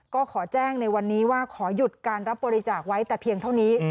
ก็ขอแจ้งในวันนี้ว่าขอหยุดการรับบริจาคไว้แต่เพียงเท่านี้